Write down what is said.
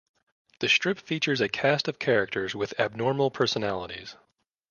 The strip features a cast of characters with abnormal personalities.